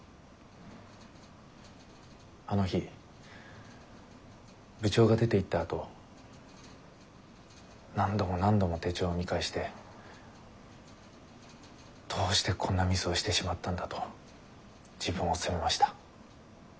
あの日部長が出ていったあと何度も何度も手帳を見返してどうしてこんなミスをしてしまったんだと自分を責めました。